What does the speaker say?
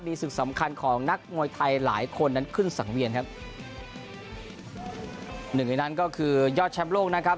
ศึกสำคัญของนักมวยไทยหลายคนนั้นขึ้นสังเวียนครับหนึ่งในนั้นก็คือยอดแชมป์โลกนะครับ